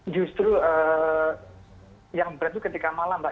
justru yang berat itu ketika malam mbak